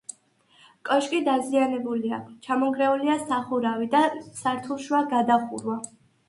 კოშკი დაზიანებულია: ჩამონგრეულია სახურავი და სართულშუა გადახურვა.